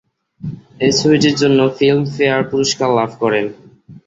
এই ছবিটির জন্য ফিল্ম ফেয়ার পুরস্কার লাভ করেন।